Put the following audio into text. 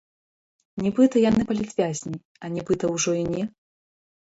Нібыта яны палітвязні, а нібыта ўжо і не?